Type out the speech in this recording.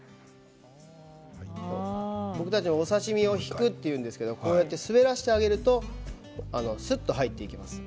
僕たち、刺身を引くというんですが滑らせてあげるとふっと入っていきます。